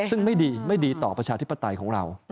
ซึ่งไม่ดีไม่ดีต่อประชาธิปไตยของเรา